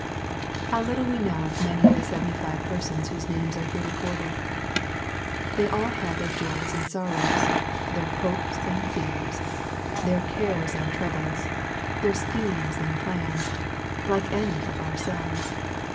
How little we know of many of the seventy five persons, whose names are here recorded I They all had their joys and sorrows, their hopes and fears, their cares and troubles, their schemes and plans, like any of ourselves.